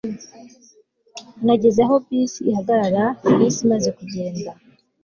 nageze aho bisi ihagarara bisi imaze kugenda